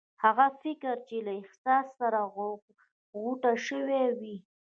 هغه فکر چې له احساس سره غوټه شوی وي.